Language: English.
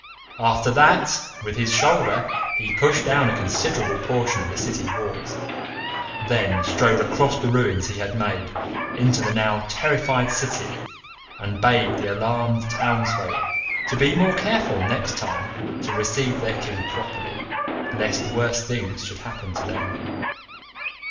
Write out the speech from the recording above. After that, with his shoulder he pushed down a considerable portion of the city walls, then strode across the ruins he had made into the now terrified city, and bade the alarmed townsfolk to be more careful next time to receive their King properly, lest worse things should happen to them.